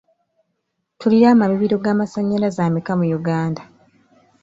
Tulina amabibiro g'amasannyalaze ameka mu Uganda?